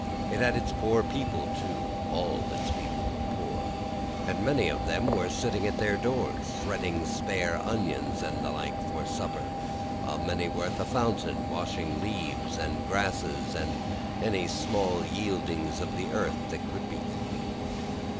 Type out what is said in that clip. It had its poor people too. All its people were poor, and many of them were sitting at their doors, shredding spare onions and the like for supper, while many were at the fountain, washing leaves, and grasses, and any such small yieldings of the earth that could be eaten.